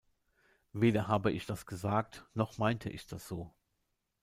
Weder habe ich das gesagt, noch meinte ich das so.